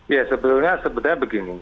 ya sebelumnya sebenarnya begini